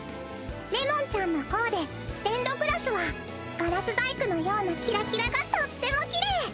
れもんちゃんのコーデステンドグラスはガラス細工のようなキラキラがとってもきれい！